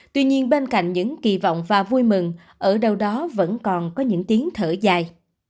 tuy nhiên bên cạnh những kỳ vọng và vui mừng ở đâu đó vẫn còn có những tiếng thở dài